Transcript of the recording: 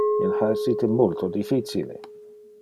Il ha essite multo difficile.